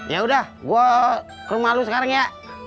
yaudah gua ke rumah lu sekarang ya